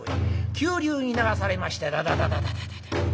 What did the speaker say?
急流に流されましてダダダダダダダッ。